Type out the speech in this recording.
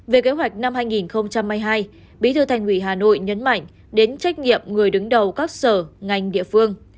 về kế hoạch năm hai nghìn hai mươi hai bí thư thành ủy hà nội nhấn mạnh đến trách nhiệm người đứng đầu các sở ngành địa phương